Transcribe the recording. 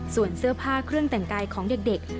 ส่วนเสื้อผ้าเครื่องแต่งกายของเด็ก